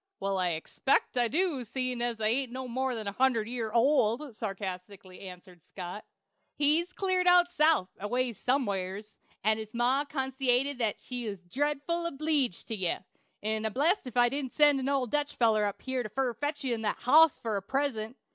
"Well, I expect I do, seein' I ain't more'n a hundred year old," sarcastically answered Scott. "He's cleared out South aways some'eres, and his ma consaited she was dredful obleeged to ye; 'n I'm blessed if she didn't send an old Dutch feller up here fur to fetch ye that hoss fur a present.